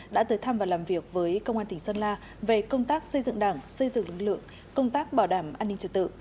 đã tới thăm và làm việc với công an tỉnh sơn la về công tác xây dựng đảng xây dựng lực lượng công tác bảo đảm an ninh trật tự